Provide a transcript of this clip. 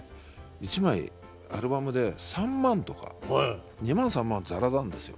１枚アルバムで３万とか２万３万ザラなんですよ。